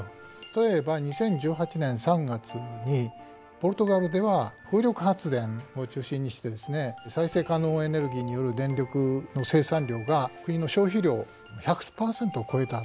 例えば２０１８年３月にポルトガルでは風力発電を中心にしてですね再生可能エネルギーによる電力生産量が国の消費量１００％を超えた。